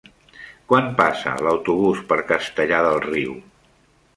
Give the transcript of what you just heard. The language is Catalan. Quan passa l'autobús per Castellar del Riu?